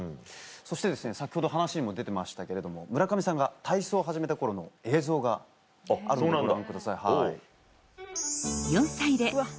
そして先ほど話にも出てましたけれども村上さんが体操を始めた頃の映像があるのでご覧ください。